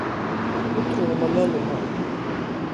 Putruoma lelumā.